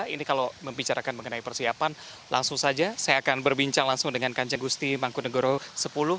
ini kalau membicarakan mengenai persiapan langsung saja saya akan berbincang langsung dengan kanjeng gusti mangkunegoro x